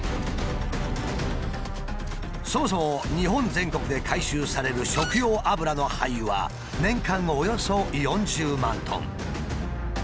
そもそも日本全国で回収される食用油の廃油は年間およそ４０万ｔ。